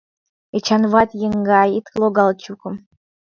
Эчанват еҥгай, ит логал Эчукым!